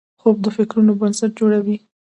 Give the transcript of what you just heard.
خوب د فکرونو بنسټ جوړوي